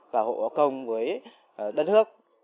và hộ công với đất nước